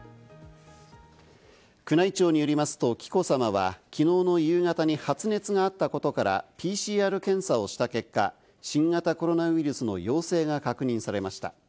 宮内庁によりますと、紀子さまは、きのうの夕方に発熱があったことから、ＰＣＲ検査をした結果、新型コロナウイルスの陽性が確認されました。